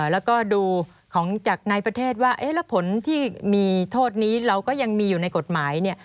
แล้วก็ดูของจากในประเทศว่าแล้วผลที่มีโทษนี้เราก็ยังมีอยู่ในกฎหมายเนี่ย